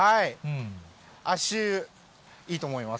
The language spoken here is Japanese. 足湯、いいと思います。